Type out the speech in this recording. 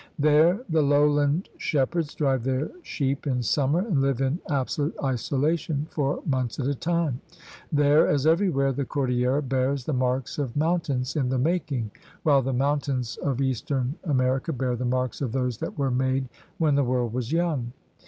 There the lowland shep herds drive their sheep in summer and hve in absolute isolation for months at a time. There, as everywhere, the cordillera bears the marks of mountains in the making, while the mountains of eastern America bear the marks of those that were made when the world was young.